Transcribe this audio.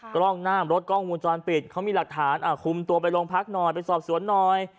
กล้องหน้ารถกล้องมูลจรปิดเขามีหลักฐานคุมตัวไปโรงพักหน่อยไปสอบสวนหน่อย